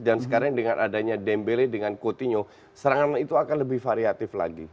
dan sekarang dengan adanya dembele dengan coutinho serangan itu akan lebih variatif lagi